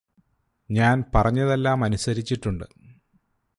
ഞാന് പറഞ്ഞതെല്ലാം അനുസരിചിട്ടുണ്ട്